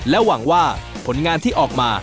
หวังว่าผลงานที่ออกมา